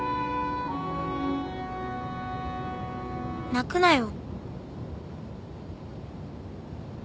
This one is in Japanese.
泣くなよ。